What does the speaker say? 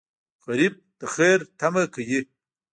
غریب د خیر تمه کوي